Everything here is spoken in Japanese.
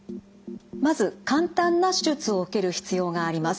まず簡単な手術を受ける必要があります。